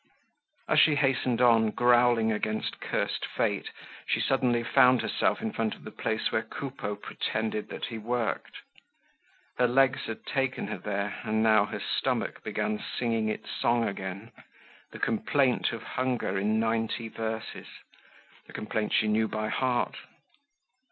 As she hastened on, growling against cursed fate, she suddenly found herself in front of the place where Coupeau pretended that he worked. Her legs had taken her there, and now her stomach began singing its song again, the complaint of hunger in ninety verses—a complaint she knew by heart.